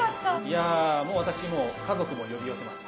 いや私もう家族も呼び寄せます。